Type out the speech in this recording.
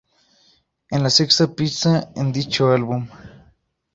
Es la sexta pista en dicho álbum.